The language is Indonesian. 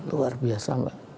luar biasa mbak